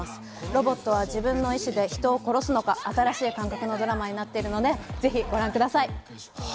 ロボットは自分の意思で人を殺すのか、新しい感覚のドラマになっておりますのでぜひご覧ください。